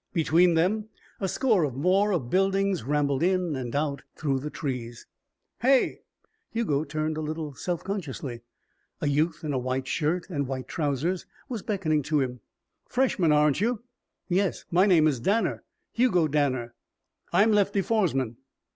Between them a score or more of buildings rambled in and out through the trees. "Hey!" Hugo turned a little self consciously. A youth in a white shirt and white trousers was beckoning to him. "Freshman, aren't you?" "Yes. My name's Danner. Hugo Danner." "I'm Lefty Foresman.